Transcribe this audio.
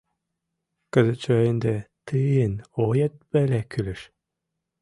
Кызытше ынде тыйын оет веле кӱлеш.